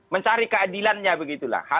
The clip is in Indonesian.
mencari keadilannya begitulah